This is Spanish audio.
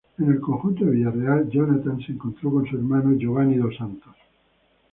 En el conjunto de Villarreal, "Jonathan" se reencontró con su hermano Giovani dos Santos.